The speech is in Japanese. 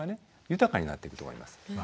豊かになっていくと思います。